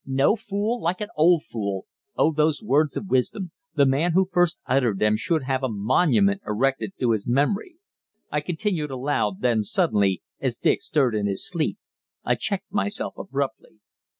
"'No fool like an old fool' oh, those words of wisdom the man who first uttered them should have a monument erected to his memory," I continued aloud; then suddenly, as Dick stirred in his sleep, I checked myself abruptly.